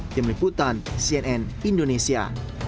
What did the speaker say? tim liputan cnn indonesia